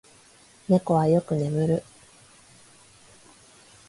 猫はよく眠る。